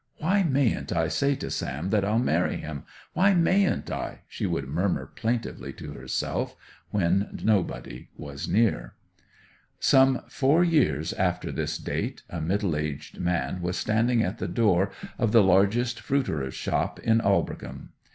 'Why mayn't I say to Sam that I'll marry him? Why mayn't I?' she would murmur plaintively to herself when nobody was near. Some four years after this date a middle aged man was standing at the door of the largest fruiterer's shop in Aldbrickham.